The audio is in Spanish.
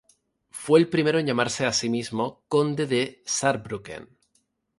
Fue el primero en llamarse a sí mismo "Conde de Saarbrücken.